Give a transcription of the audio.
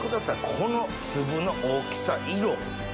この粒の大きさ色。